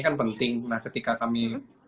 kan penting nah ketika kami